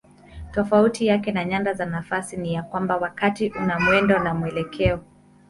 Tofauti yake na nyanda za nafasi ni ya kwamba wakati una mwendo na mwelekeo.